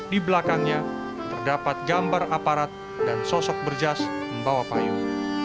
di belakangnya terdapat gambar aparat dan sosok berjas membawa payu